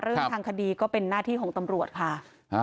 เรื่องทางคดีก็เป็นหน้าที่ของตำรวจค่ะ